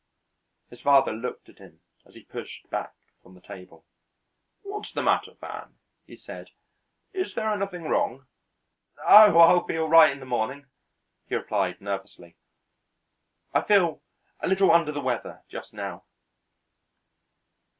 His father looked at him as he pushed back from the table. "What's the matter, Van?" he said. "Is there anything wrong?" "Oh, I'll be all right in the morning," he replied nervously. "I feel a little under the weather just now."